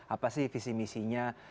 apa sih visi misinya